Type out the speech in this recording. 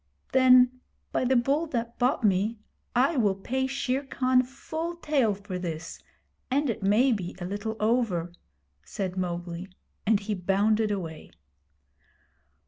'Then, by the Bull that bought me, I will pay Shere Khan full tale for this, and it may be a little over,' said Mowgli; and he bounded away.